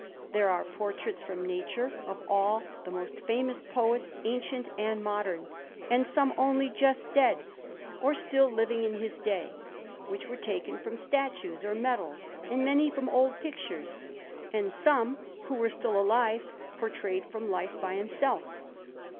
There are portraits from nature of all the most famous poets, ancient and modern, and some only just dead, or still living in his day; which were taken from statues or medals, and many from old pictures, and some, who were still alive, portrayed from the life by himself.